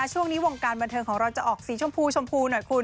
ช่วงนี้วงการบันเทิงของเราจะออกสีชมพูชมพูหน่อยคุณ